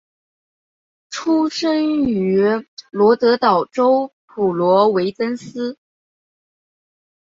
出生于罗德岛州普罗维登斯。